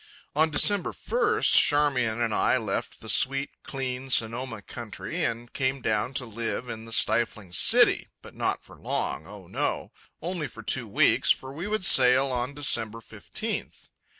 On December first Charmian and I left the sweet, clean Sonoma country and came down to live in the stifling city—but not for long, oh, no, only for two weeks, for we would sail on December fifteenth.